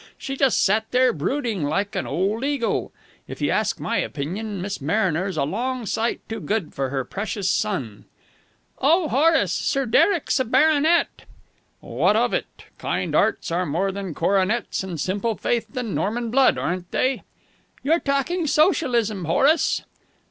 She just sat there brooding like an old eagle. If you ask my opinion, Miss Mariner's a long sight too good for her precious son!" "Oh, but Horace! Sir Derek's a baronet!" "What of it? Kind 'earts are more than coronets and simple faith than Norman blood, aren't they?" "You're talking Socialism, Horace."